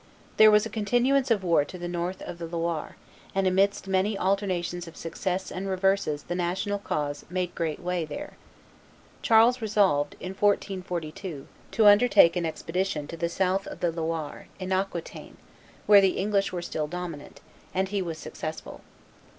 There was a continuance of war to the north of the Loire; and amidst many alternations of successes and reverses the national cause made great way there. Charles resolved, in 1442, to undertake an expedition to the south of the Loire, in Aquitaine, where the English were still dominant; and he was successful.